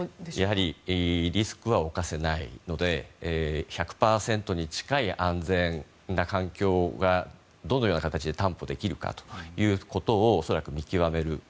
やはりリスクは冒せないので１００％に近い安全な環境がどのような形で担保できるかということを恐らく、見極める。